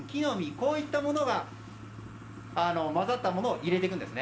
こういったものが混ざったものを入れていくんですね。